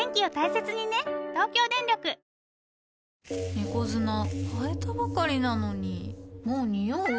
猫砂替えたばかりなのにもうニオう？